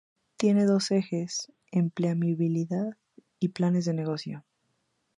Tiene dos ejes: Empleabilidad y Planes de negocio.